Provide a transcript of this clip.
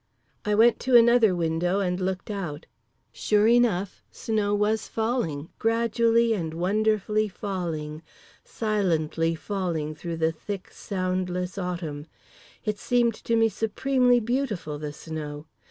_" I went to another window and looked out. Sure enough. Snow was falling, gradually and wonderfully falling, silently falling through the thick soundless Autumn…. It seemed to me supremely beautiful, the snow.